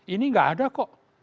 ini gak ada kok